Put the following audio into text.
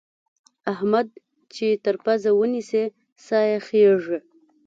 احمد چې تر پزه ونيسې؛ سا يې خېږي.